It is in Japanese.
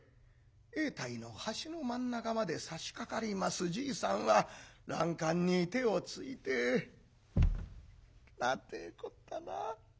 永代の橋の真ん中までさしかかりますじいさんは欄干に手をついて「なんてこったな。